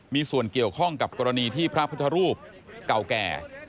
มีส่วนเกี่ยวข้องกับกรณีที่พระพุทธรูปเก่าแก่